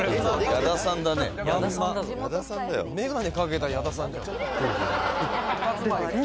藤ヶ谷：眼鏡かけた矢田さんじゃん。